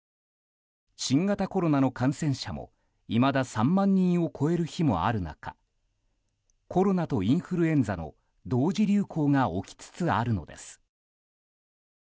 新型コロナの感染者もいまだ３万人を超える日もある中コロナとインフルエンザの同時流行が起きつつあるのです。